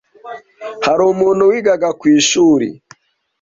Hari umuntu wigaga ku ishuri